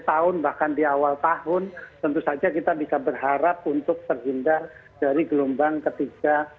tahun bahkan di awal tahun tentu saja kita bisa berharap untuk terhindar dari gelombang ketiga